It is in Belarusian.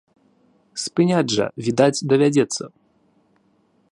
Спыняць жа, відаць, давядзецца.